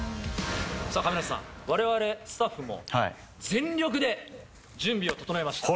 さあ、亀梨さん、われわれスタッフも全力で準備を整えました。